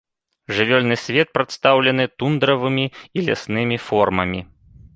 Жывёльны свет прадстаўлены тундравымі і ляснымі формамі.